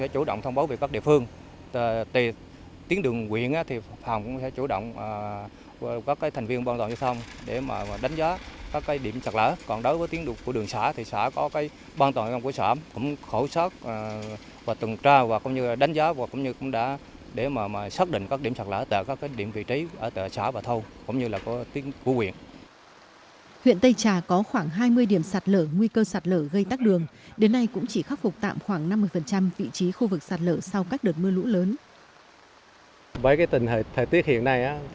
huyện tây trà có khoảng hai mươi điểm sạt lở nguy cơ sạt lở gây tắc đường đến nay cũng chỉ khắc phục tạm khoảng năm mươi vị trí khu vực sạt lở sau các đợt mưa lũ lớn